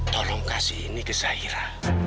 tolong kasih ini ke saya